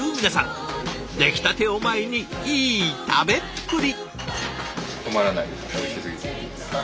出来たてを前にいい食べっぷり！